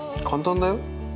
簡単だよ。